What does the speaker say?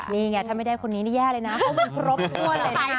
นี่ไงถ้าไม่ได้คนนี้นี่แย่เลยนะเพราะมันครบถ้วนเลย